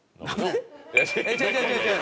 違う違う違う違う。